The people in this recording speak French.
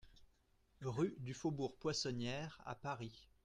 Rue du Faubourg Poissonnière à Paris